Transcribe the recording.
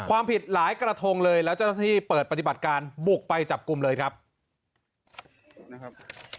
ความผิดหลายกระทงเลยแล้วเจ้าหน้าที่เปิดปฏิบัติการบุกไปจับกลุ่มเลยครับนะครับ